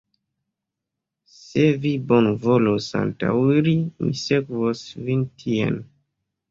Se vi bonvolos antaŭiri, mi sekvos vin tien.